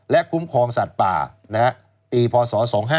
และคุ้มครองสัตว์ป่าปีพศ๒๕๖